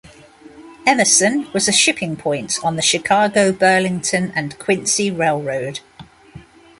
Emerson was a shipping point on the Chicago, Burlington and Quincy Railroad.